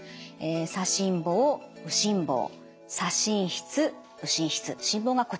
左心房右心房左心室右心室心房がこちらですね。